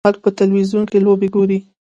خلک په تلویزیون کې لوبې ګوري.